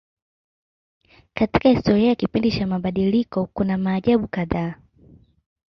Katika historia ya kipindi cha mabadiliko kuna maajabu kadhaa.